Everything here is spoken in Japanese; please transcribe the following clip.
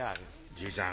じいさん